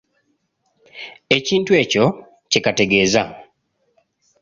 Ekintu ekyo kye kategeeza.